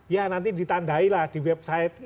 ya nanti ditandai lah di website ini